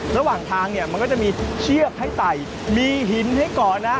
ระหว่างทางเนี่ยมันก็จะมีเชือกให้ไต่มีหินให้ก่อนนะ